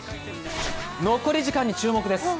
残り時間に注目です。